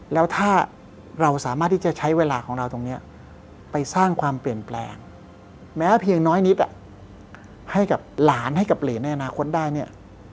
แล้วถ้าเราสามารถที่จะใช้เวลาของเราตรงนี้ไปสร้างความเปลี่ยนแปลงแม้เพียงน้อยนิดให้กับหลานให้กับเหรนในอนาคตได้เนี่ย